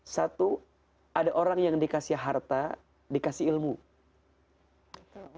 satu ada orang yang dikasih harta dikasih ilmu itu ada empat bagian